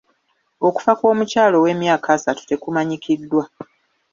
Okufa kw'omukyala ow'emyaka asatu tekumanyikiddwa.